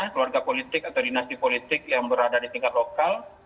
keluarga politik atau dinasti politik yang berada di tingkat lokal